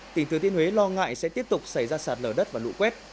tỉnh thứ tiên huế lo ngại sẽ tiếp tục xảy ra sạt lở đất và lũ quét